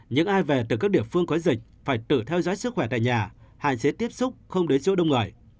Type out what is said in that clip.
những ai về từ các địa phương có dịch phải tự theo dõi sức khỏe tại nhà hạn chế tiếp xúc không đến chỗ đông người